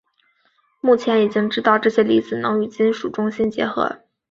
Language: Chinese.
目前已经知道这些离子能与金属中心结合。